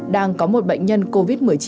đang có một bệnh nhân covid một mươi chín